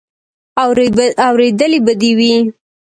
اورېدلې به دې وي.